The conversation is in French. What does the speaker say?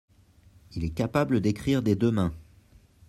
Il est capable d'écrire des deux mains.